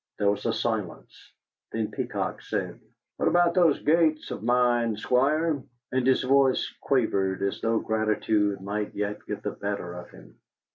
There was a silence; then Peacock said: "What about those gates of mine, Squire?" and his voice quavered, as though gratitude might yet get the better of him.